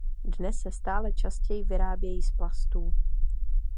Dnes se stále častěji vyrábějí z plastů.